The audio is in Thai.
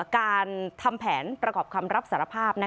การทำแผนประกอบคำรับสารภาพ